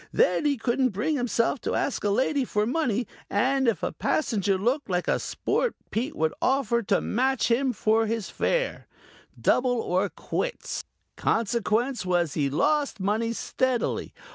Then he couldn't bring himself to ask a lady for money, and if a passenger looked like a sport Pete would offer to match him for his fare double or quits. Consequence was he lost money steadily.